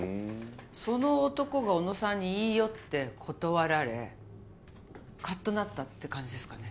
その男が小野さんに言い寄って断られカッとなったって感じですかね